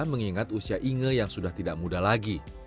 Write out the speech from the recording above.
mengingat usia inge yang sudah tidak muda lagi